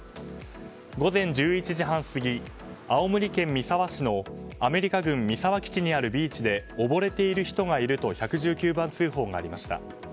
午前１１時半過ぎ青森県三沢市のアメリカ軍三沢基地にあるビーチで溺れている人がいると１１９番通報がありました。